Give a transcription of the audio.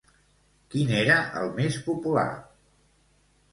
Quin era el més popular?